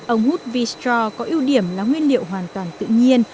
ống hút v stra có ưu điểm là nguyên liệu hoàn toàn tự nhiên